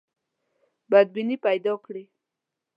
بدبیني پیدا کړي.